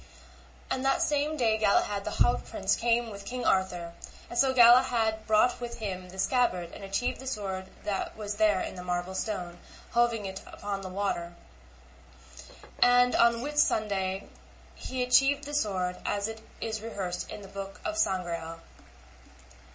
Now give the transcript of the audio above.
And that same day Galahad the haut prince came with King Arthur, and so Galahad brought with him the scabbard and achieved the sword that was there in the marble stone hoving upon the water. And on Whitsunday he achieved the sword as it is rehearsed in the book of Sangreal.